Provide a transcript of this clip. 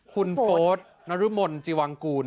คุณโฟสนรมนศ์จีวังกูนะ